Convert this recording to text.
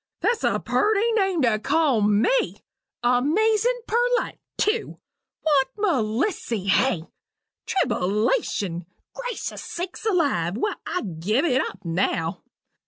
That's a purty name to call me! amazin' perlite, tew! Want Melissy, hey! Tribbleation! Gracious sakes alive! Well, I'll give it up now!